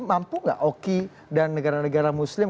mampu nggak oki dan negara negara muslim